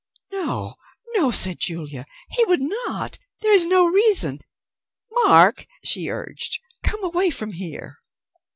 "No, no," said Julia. "He would not. There is no reason.... Mark," she urged, "come away from here."